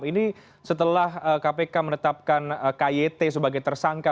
ini setelah kpk menetapkan kyt sebagai tersangka